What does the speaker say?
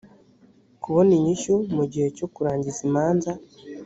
kubona inyishyu mu gihe cyo kurangiza imanza